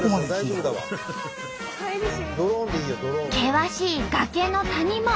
険しい崖の谷間。